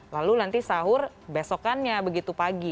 lalu nanti sahur besokannya begitu pagi